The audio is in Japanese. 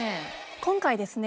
今回ですね